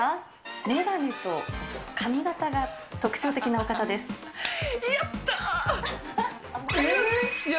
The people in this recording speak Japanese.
眼鏡と髪形が特徴的な方やったー！